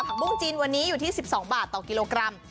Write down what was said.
ผักบุ้งจีนวันนี้อยู่ที่๑๒บาทต่อกิโลกรัม